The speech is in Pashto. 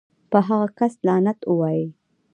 پۀ هغه کس لعنت اووائې